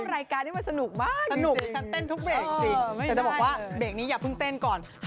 อ้าวกลับมาคุณผู้ชม